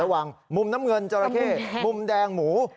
ระหว่างมุมน้ำเงินจระเข้มุมแดงหมู